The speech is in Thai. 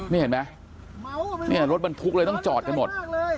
นี่เห็นไหมรถมันทุกเลยต้องจอดกันหมด